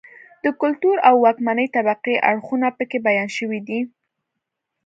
د کلتور او واکمنې طبقې اړخونه په کې بیان شوي دي.